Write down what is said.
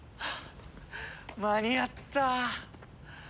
間に合った！